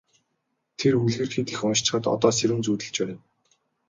Тэр үлгэр хэт их уншчихаад одоо сэрүүн зүүдэлж байна.